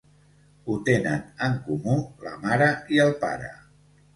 Ho tenen en comú la mare i el pare.